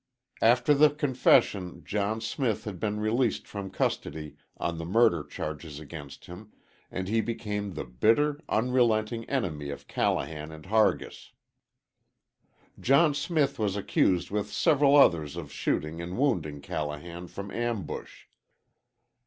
After the confession John Smith had been released from custody on the murder charges against him, and he became the bitter, unrelenting enemy of Callahan and Hargis. John Smith was accused with several others of shooting and wounding Callahan from ambush.